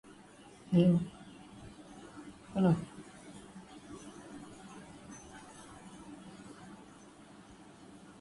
There is, however, a further distinction drawn between tax avoidance and tax mitigation.